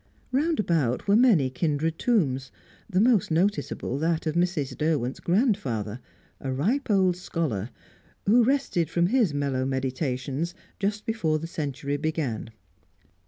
Round about were many kindred tombs, the most noticeable that of Mrs. Derwent's grandfather, a ripe old scholar, who rested from his mellow meditations just before the century began.